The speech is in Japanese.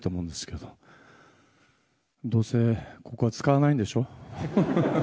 どうせここは使わないんでしょ。